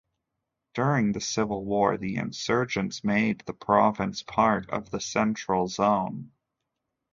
During the civil war, the insurgents made the province part of the central zone.